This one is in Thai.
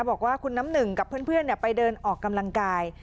บอกว่าคุณน้ำหนึ่งกับเพื่อนไปเดินออกกำลังกาย